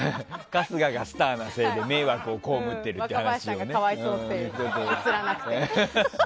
春日がスターなせいで迷惑をこうむっているっていう。